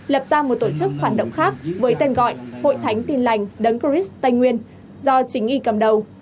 lập ra một tổ chức phản động khác với tên gọi hội thánh tin lành đấng christ tây nguyên do chính y cầm đầu